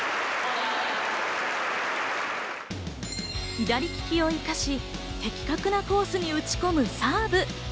左利きを生かし、的確なコースに打ち込むサーブ。